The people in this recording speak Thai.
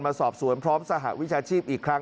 มาสอบสวนพร้อมสหวิชาชีพอีกครั้ง